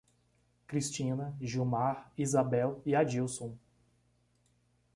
Cristina, Gilmar, Izabel e Adílson